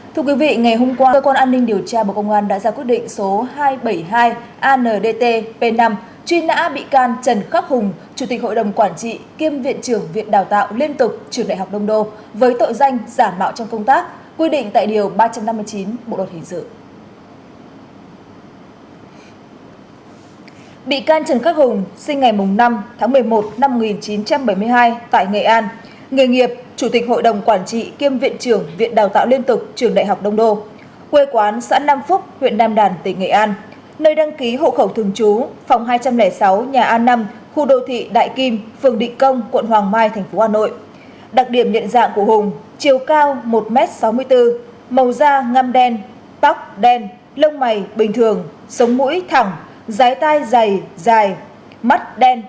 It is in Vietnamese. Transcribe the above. thưa quý vị ngày hôm qua cơ quan an ninh điều tra bộ công an đã ra quyết định số hai trăm bảy mươi hai andt p năm